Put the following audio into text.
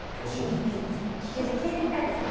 聴いてみたいですよね